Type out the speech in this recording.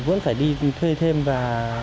vẫn phải đi thuê thêm và